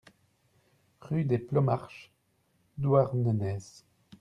Rue des Plomarc'h, Douarnenez